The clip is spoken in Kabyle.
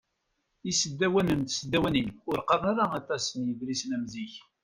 Isdawanen d tesdawanin ur qqaren ara aṭas n yidlisen am zik.